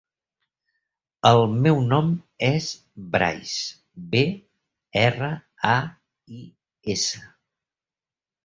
El meu nom és Brais: be, erra, a, i, essa.